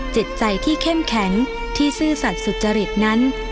จิตใจที่เข้มแข็งที่ซื่อสัตว์สุจริตนั้น